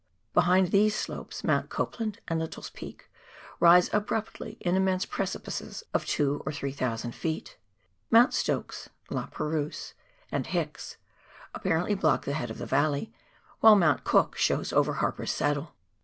Behind these slopes, Mount Copland and Lyttle's Peak rise abruptly in immense precipices of two or three thousand feet. Mounts Stokes (La Perouse) and Ilicks apparently block the head of the valley, while Mount Cook shows over Harper's Saddle.